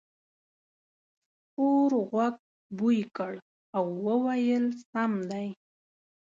سپور غوږ بوی کړ او وویل سم دی.